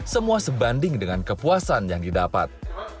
semua sebanding dengan kepuasan yang didapat